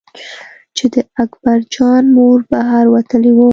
چې د اکبر جان مور بهر وتلې وه.